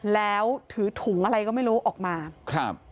แล้วถือถุงอะไรก็ไม่รู้ออกมาครับ